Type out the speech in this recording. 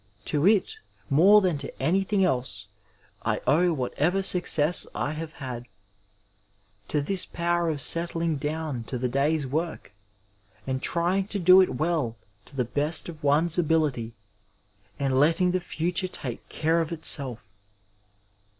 To it, more than to anything else, I owe whatever success I have had — ^to this power of set tling down to the day's work and trying to do it well to the best of one's ability, and letting the future take care of itself.